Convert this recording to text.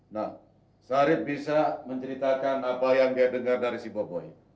nah syarif bisa menceritakan apa yang dia dengar dari si boboi